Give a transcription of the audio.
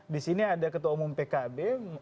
di sini ada ketua umum pkb